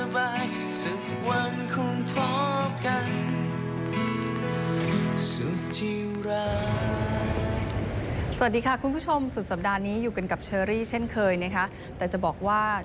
แต่ความทรงจำดีนั้นไม่เคยจางหาย